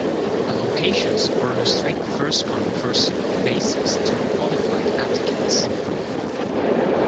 Allocations are on a strict first-come, first-served basis to qualified applicants.